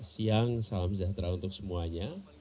siang salam sejahtera untuk semuanya